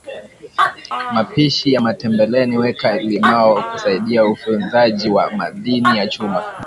mapishi ya matembeleni weka limao kusaidia ufyonzaji wa madini ya chuma